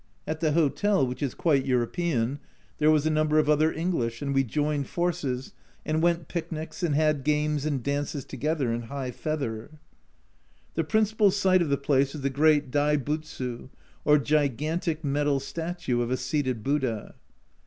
At the hotel, which is quite European, there was a number of other English, and we joined forces, and went picnics and had games and dances together in high feather. The principal sight of the place is the great Dai Butsu, or gigantic metal statue of a seated Buddha.